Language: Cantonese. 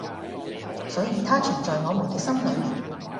所以它存在於我們的心裏！